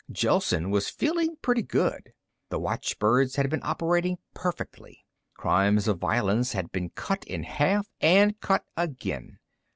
Gelsen was feeling pretty good. The watchbirds had been operating perfectly. Crimes of violence had been cut in half, and cut again.